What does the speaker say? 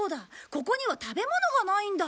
ここには食べ物がないんだ。